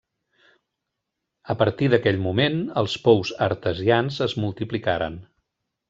A partir d'aquell moment els pous artesians es multiplicaren.